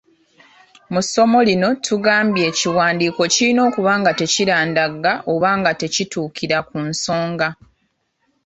Mu ssomo lino tugambye ekiwandiiko kirina okuba nga tekirandagga oba nga kituukira ku nsonga.